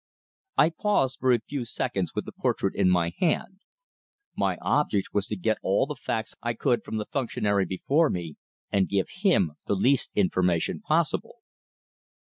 I paused for a few seconds with the portrait in my hand. My object was to get all the facts I could from the functionary before me, and give him the least information possible.